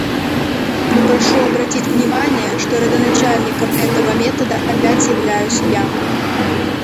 Но прошу обратить внимание, что родоначальником этого метода опять являюсь я.